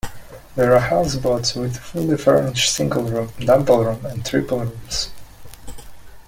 There are houseboats with fully furnished single room, double room and triple rooms.